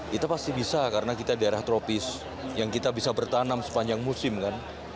kita pasti bisa karena kita daerah tropis yang kita bisa bertanam sepanjang musim kan